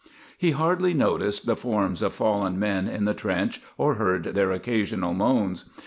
He hardly noticed the forms of fallen men in the trench or heard their occasional moans.